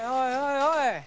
おい